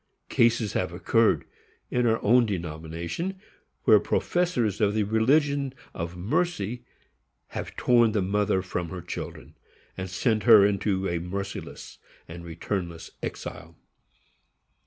_Cases have occurred, in our own denomination, where professors of the religion of mercy have torn the mother from her children, and sent her into a merciless and returnless exile.